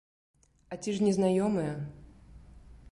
А ці ж незнаёмыя?